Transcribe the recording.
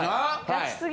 はい。